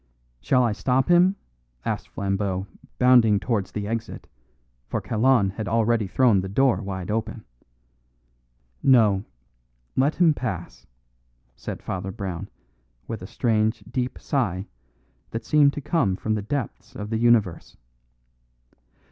"Shall I stop him?" asked Flambeau, bounding towards the exit, for Kalon had already thrown the door wide open. "No; let him pass," said Father Brown, with a strange deep sigh that seemed to come from the depths of the universe.